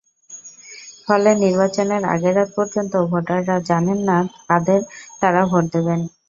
ফলে নির্বাচনের আগের রাত পর্যন্তও ভোটাররা জানেন না, কাদের তাঁরা ভোট দেবেন।